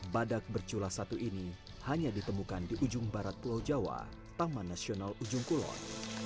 badak berculah satu ini hanya ditemukan di ujung barat pulau jawa taman nasional ujung kulon